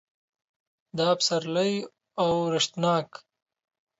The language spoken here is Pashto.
دا پسرلی اورښتناک